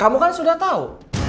kamu kan sudah tahu